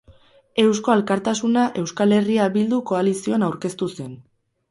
Eusko Alkartasuna Euskal Herria Bildu koalizioan aurkeztu zen.